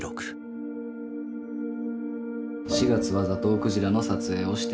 「４月はザトウクジラの撮影をしている。